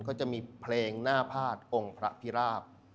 ก็จะมีเพลงหน้าพาดองค์พระพิราบ